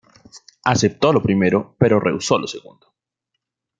Aceptó lo primero, pero rehusó lo segundo.